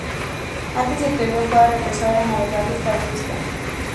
Antes de que el río fuera represado era navegable hasta Augusta.